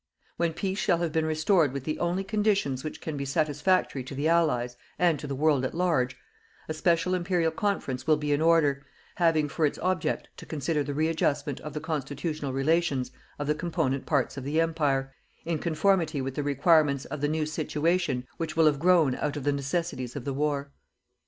When peace shall have been restored with the only conditions which can be satisfactory to the Allies and to the world at large, a special Imperial Conference will be in order, having for its object to consider the readjustment of the constitutional relations of the component parts of the Empire, in conformity with the requirements of the new situation which will have grown out of the necessities of the war.